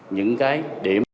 những cái điểm